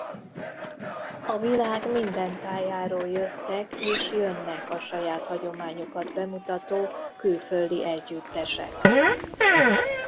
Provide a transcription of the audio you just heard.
A világ minden tájáról jöttek és jönnek a saját hagyományukat bemutató külföldi együttesek.